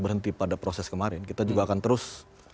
berhenti pada proses kemarin kita juga akan terus